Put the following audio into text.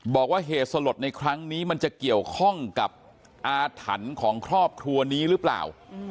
บอกว่าเหตุสลดในครั้งนี้มันจะเกี่ยวข้องกับอาถรรพ์ของครอบครัวนี้หรือเปล่า